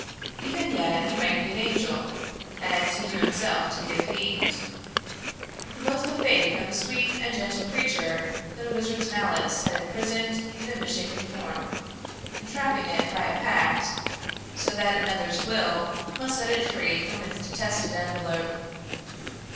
Even yet he might be an angel, and he knew himself to be a fiend. His was the fate of a sweet and gentle creature that a wizard's malice has imprisoned in a misshapen form, entrapping it by a pact, so that another's will must set it free from its detested envelope.